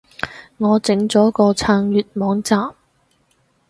我整咗個撐粵網站